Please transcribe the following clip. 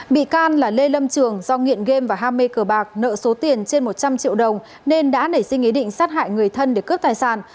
bị can là lê lâm trường do nghiện gam và ham mê cờ bạc nợ số tiền trên một trăm linh triệu đồng nên đã nảy sinh ý định sát hại người thân để cướp tài sản